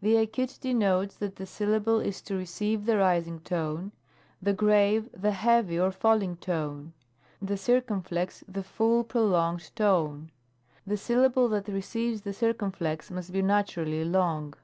The acute denotes that the syllable is to receive the rising tone ; the grave, the heavy or falling tone ; the circumflex, the fiill prolonged tone. The syllable that receives the circumflex must be naturally long.